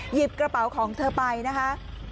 หยิบกระเป๋าของเธอไปนะคะ